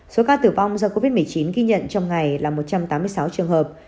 số ca tử vong do covid một mươi chín ghi nhận trong ngày là một trăm tám mươi sáu trường hợp